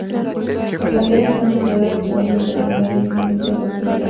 Las canteras están consideradas como un bien patrimonial del Ayuntamiento de la localidad.